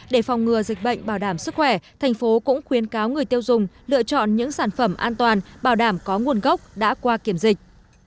để phòng ngừa dịch bệnh bảo đảm sức khỏe thành phố cũng khuyến cáo người tiêu dùng lựa chọn những sản phẩm an toàn bảo đảm có nguồn gốc đã qua kiểm dịch